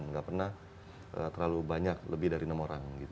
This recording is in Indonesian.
nggak pernah terlalu banyak lebih dari enam orang